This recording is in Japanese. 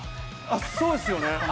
あっ、そうですよね。